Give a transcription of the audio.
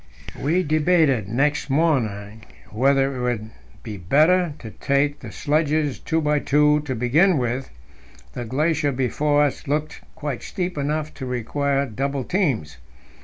We debated next morning whether it would not be better to take the sledges two by two to begin with; the glacier before us looked quite steep enough to require double teams.